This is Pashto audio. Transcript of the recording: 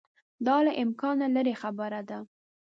دا له امکانه لیري خبره ده.